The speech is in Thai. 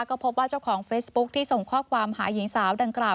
ก็พบว่าเจ้าของเฟซบุ๊คที่ส่งข้อความหาหญิงสาวดังกล่าว